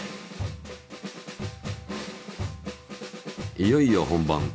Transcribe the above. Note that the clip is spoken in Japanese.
いよいよ本番。